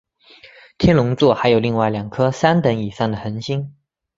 天龙座还有另外两颗三等以上的恒星。